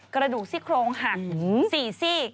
กระดูกซี่โครงหัก๔ซีก